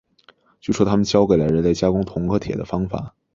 据说他们教给了人类加工铜和铁的方法。